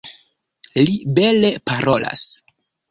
Li bele parolas.